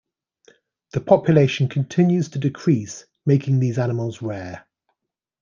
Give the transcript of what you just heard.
The population continues to decrease, making these animals rare.